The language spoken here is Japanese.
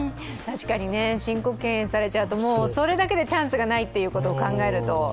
申告敬遠されちゃうとそれだけでチャンスがないということを考えると。